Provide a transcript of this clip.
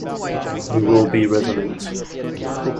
We will be resolute!